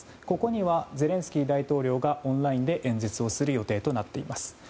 ここではゼレンスキー大統領がオンライン演説をする予定です。